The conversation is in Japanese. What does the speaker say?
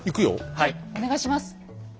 はいお願いします。